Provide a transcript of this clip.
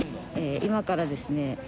今からですね。